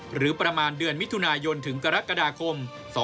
หรือประมาณเดือนมิถุนายนถึงกรกฎาคม๒๕๖